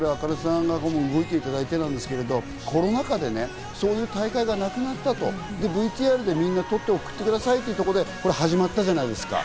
ａｋａｎｅさん、コロナ禍でそういう大会がなくなったと、ＶＴＲでみんな撮って送ってくださいということでこれ始まったじゃないですか。